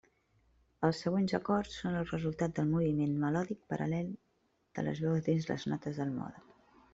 Els següents acords són el resultat del moviment melòdic paral·lel de les veus dins les notes del mode.